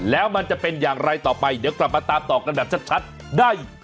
แล้วมันจะเป็นอย่างไรต่อไปเดี๋ยวกลับมาตามต่อกันแบบชัดได้